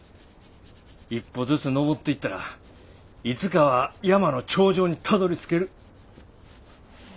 一歩ずつ登っていったらいつかは山の頂上にたどりつける。